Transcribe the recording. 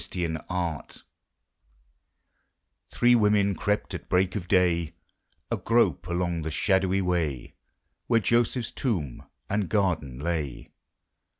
* Three women crept at break of day A grope along the shadowy way Where Joseph's tomb and garden lay.